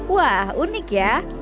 wah unik ya